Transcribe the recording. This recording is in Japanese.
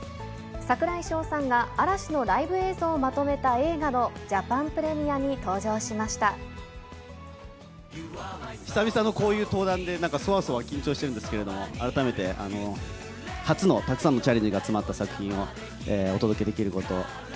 櫻井翔さんが嵐のライブ映像をまとめた映画のジャパンプレミアに久々のこういう登壇で、なんかそわそわ緊張しているんですけれども、改めて、初のたくさんのチャレンジが詰まった作品をお届けできることをと